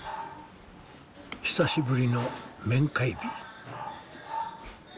久しぶりの面会日。